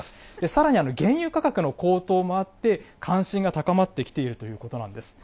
さらに原油価格の高騰もあって、関心が高まってきているということなんです。